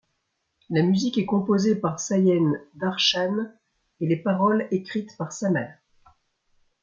La musique est composée par Sanjeev-Darshan et les paroles écrites par Sameer.